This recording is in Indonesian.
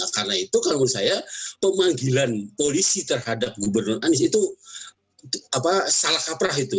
karena itu kalau menurut saya pemanggilan polisi terhadap gubernur anies itu salah kaprah itu